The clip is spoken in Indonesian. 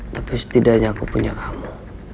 tapi setidaknya aku punya kamu